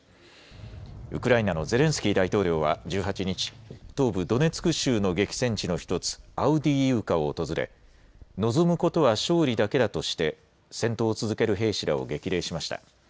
ウクライナのゼレンスキー大統領は１８日、東部ドネツク州の激戦地の１つ、アウディーイウカを訪れ望むことは勝利だけだとして戦闘を続ける兵士らを激励しました。